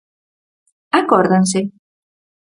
¿Acórdanse?